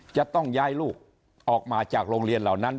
จะต้องย้ายลูกออกมาจากโรงเรียนเหล่านั้น